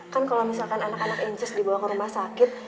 kan kalau misalkan anak anak incis dibawa ke rumah sakit